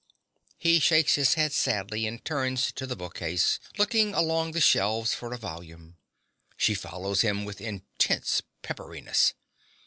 (He shakes his head sadly and turns to the bookcase, looking along the shelves for a volume. She follows him with intense pepperiness.)